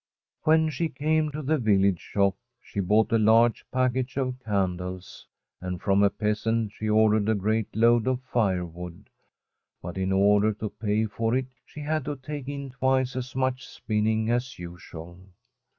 When she came to the village shop she bought a large package of candles, and from a peasant she ordered a great load of firewood; but in order to pay for it she had to take in twice as much spinning as usual.